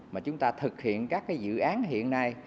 mà chúng ta thực hiện các dự án hiện nay